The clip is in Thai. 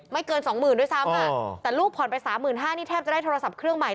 ไม่เกิน๒๐๐๐๐ด้วยซ้ำล่ะแต่ลูกผ่อนไป๓๕๐๐๐นี่แทบจะได้โทรศัพท์เท่าไหร่